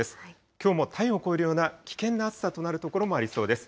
きょうも体温を超えるような危険な暑さとなる所もありそうです。